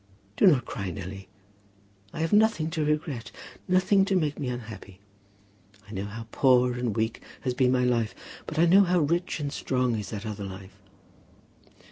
Do not cry, Nelly. I have nothing to regret, nothing to make me unhappy. I know how poor and weak has been my life; but I know how rich and strong is that other life.